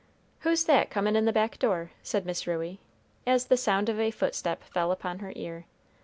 "Who's that comin' in the back door?" said Miss Ruey, as the sound of a footstep fell upon her ear.